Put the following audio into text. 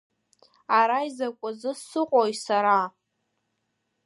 Ара изакәазы сыҟои сара?